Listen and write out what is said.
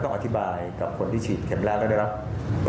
ก็ต้องอธิบายกับคนที่ฉีดเขมแรกว่าได้รับ